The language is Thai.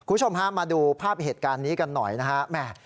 คุณผู้ชมฮะมาดูภาพเหตุการณ์นี้กันหน่อยนะฮะแม่